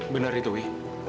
benar itu wi